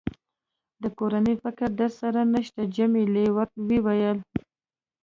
د کورنۍ فکر در سره نشته؟ جميلې وويل:.